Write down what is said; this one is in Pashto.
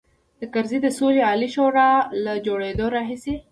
د کرزي د سولې عالي شورا له جوړېدلو راهیسې.